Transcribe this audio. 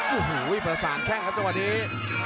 อุ้โหวิดภาษาแค่งครับตอนนี้